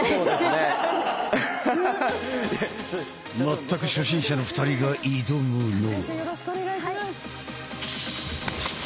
全く初心者の２人が挑むのが。